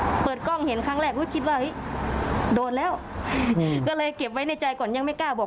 พอเปิดกล้องเห็นครั้งแรกคิดว่าเฮ้ยโดนแล้วก็เลยเก็บไว้ในใจก่อนยังไม่กล้าบอก